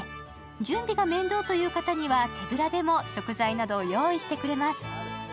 準備が面倒という方には手ぶらでも食材などを用意してくれます。